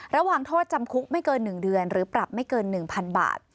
ระหว่างโทษจำคุกไม่เกิน๑เดือนหรือปรับไม่เกิน๑๐๐๐บาท